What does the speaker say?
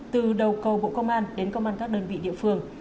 từ đầu cầu bộ công an đến công an các đơn vị địa phương